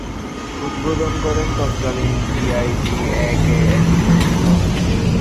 উদ্বোধন করেন তৎকালীন D I G A K M Shahidul Haque.